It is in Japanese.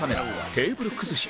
「テーブル崩し」